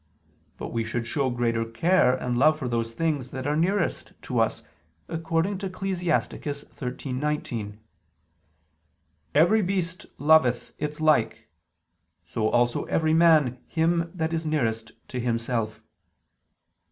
But we should show greater care and love for those things that are nearest to us, according to Ecclus. 13:19: "Every beast loveth its like: so also every man him that is nearest to himself."